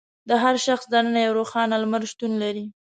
د هر شخص دننه یو روښانه لمر شتون لري.